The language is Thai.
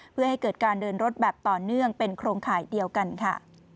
เพื่อให้เกิดการเดินรถแบบต่อเนื่องเป็นโครงข่ายเดียวกันค่ะ